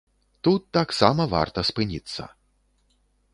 Тут таксама варта спыніцца.